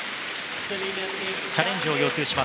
チャレンジを要求。